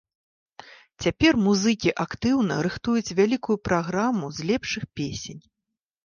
Цяпер музыкі актыўна рыхтуюць вялікую праграму з лепшых песень.